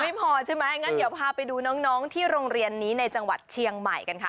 ไม่พอใช่ไหมงั้นเดี๋ยวพาไปดูน้องที่โรงเรียนนี้ในจังหวัดเชียงใหม่กันค่ะ